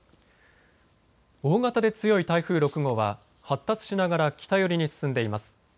大型で強い台風６号は発達しながら北寄りに進んでいます。